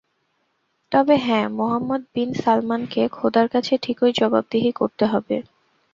তবে হ্যাঁ, মোহাম্মদ বিন সালমানকে খোদার কাছে ঠিকই জবাবদিহি করতে হবে।